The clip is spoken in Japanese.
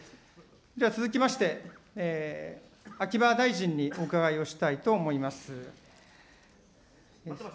続きまして、秋葉大臣にお伺いをしたいと思います。